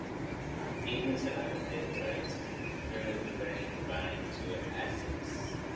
Even surrounding trees and fields being burned to ashes.